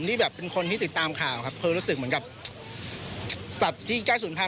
ที่แบบเป็นคนที่ติดตามข่าวครับคือรู้สึกเหมือนกับสัตว์ที่ใกล้ศูนย์พันธ